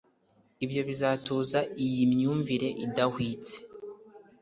ibyo bizatuza iyi myumvire idahwitse,